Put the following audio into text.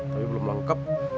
tapi belum lengkap